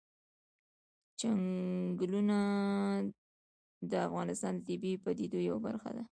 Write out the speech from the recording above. چنګلونه د افغانستان د طبیعي پدیدو یو رنګ دی.